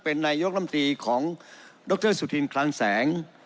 เป็นนายกรรมตีของดรสุธินคลังแสง